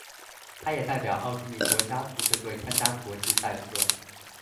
他也代表奥地利国家足球队参加国际赛事。